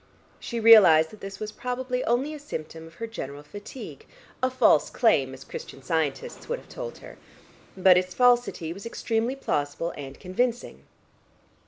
She realised that this was probably only a symptom of her general fatigue, a false claim as Christian Scientists would have told her, but its falsity was extremely plausible and convincing.